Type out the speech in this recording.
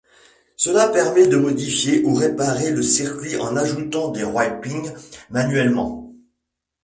Cela permet de modifier ou réparer le circuit en ajoutant des wrappings manuellement.